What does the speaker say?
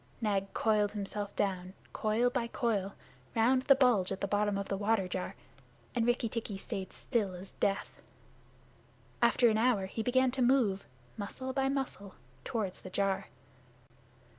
Nag coiled himself down, coil by coil, round the bulge at the bottom of the water jar, and Rikki tikki stayed still as death. After an hour he began to move, muscle by muscle, toward the jar.